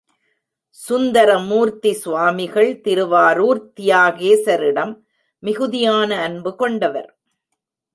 சுந்தரமூர்த்தி சுவாமிகள் திருவாரூர்த் தியாகேசரிடம் மிகுதியான அன்பு கொண்டவர்.